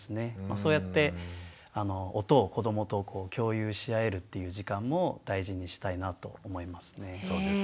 そうやって音を子どもと共有し合えるっていう時間も大事にしたいなと思いますね。